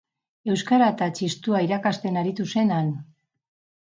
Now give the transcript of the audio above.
Euskara eta txistua irakasten aritu zen han.